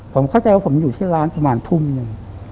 ผมเข้าใจว่าผมอยู่ที่ร้านประมาณทุ่มหนึ่ง